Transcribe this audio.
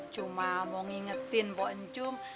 cuma mau ngingetin pok encum